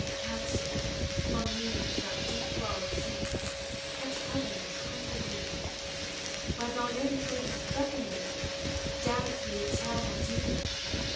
Canst thou unmoved that deep world see, That heaven of tranquil blue, Where thine own face is beckoning thee Down to the eternal dew ?